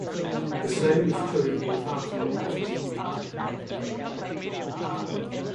The same is true with arthropods.